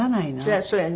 そりゃそうよね。